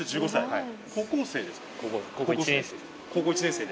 はい。